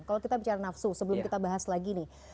kalau kita bicara nafsu sebelum kita bahas lagi nih